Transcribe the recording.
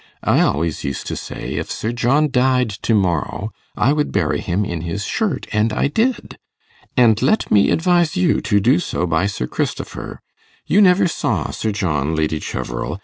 I always used to say, "If Sir John died to morrow, I would bury him in his shirt;" and I did. And let me advise you to do so by Sir Christopher. You never saw Sir John, Lady Cheverel.